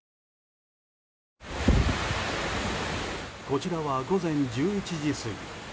こちらは午前１１時過ぎ。